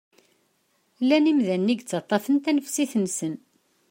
Llan yimdanen i yettaṭṭafen tanefsit-nsen.